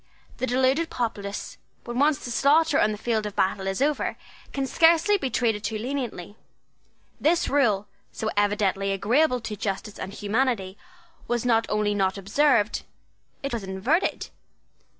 The deluded populace, when once the slaughter on the field of battle is over, can scarcely be treated too leniently. This rule, so evidently agreeable to justice and humanity, was not only not observed: it was inverted.